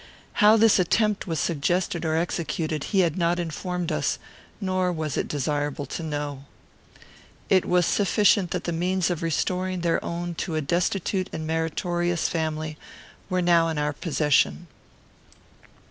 How this attempt was suggested or executed, he had not informed us, nor was it desirable to know. It was sufficient that the means of restoring their own to a destitute and meritorious family were now in our possession.